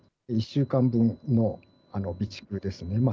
１週間分の備蓄ですね。